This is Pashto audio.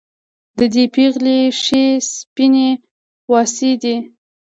د دې پېغلې ښې سپينې واڅې دي